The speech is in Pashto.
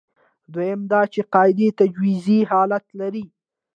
دویم دا چې قاعدې تجویزي حالت لري.